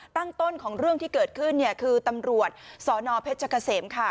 ตั้งต้นของเรื่องที่เกิดขึ้นเนี่ยคือตำรวจสนเพชรเกษมค่ะ